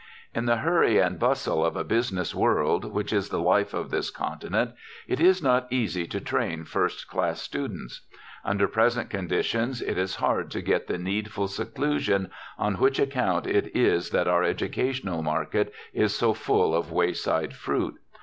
In the hurry and bustle of a business world, which is the life of this continent, it is not easy to train first class students. Under present conditions it is hard to get the needful seclusion, on which account it is that our educational market is so full of wayside fruit.